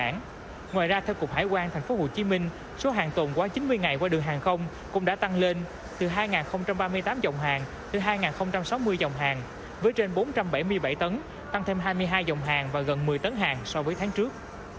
ngoài ra theo cục hải quan tp hcm số hàng tồn qua chín mươi ngày qua đường hàng không cũng đã tăng lên từ hai ba mươi tám dòng hàng hai sáu mươi dòng hàng với trên bốn trăm bảy mươi bảy tấn tăng thêm hai mươi hai dòng hàng và gần một mươi tấn hàng so với tháng trước